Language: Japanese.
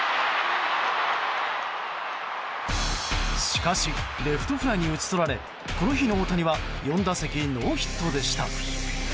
しかしレフトフライに打ち取られこの日の大谷は４打席ノーヒットでした。